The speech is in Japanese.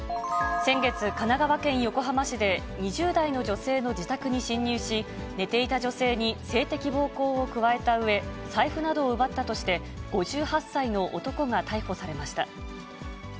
先月、神奈川県横浜市で、２０代の女性の自宅に侵入し、寝ていた女性に性的暴行を加えたうえ、財布などを奪ったとして、５８歳の男が逮捕されました。